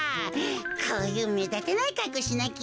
こういうめだたないかっこうしなきゃ。